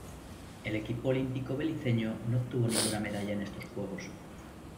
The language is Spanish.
El equipo olímpico beliceño no obtuvo ninguna medalla en estos Juegos.